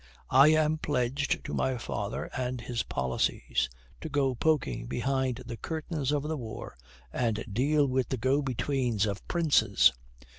"I am pledged to my father and his policies to go poking behind the curtains of the war and deal with the go betweens of princes."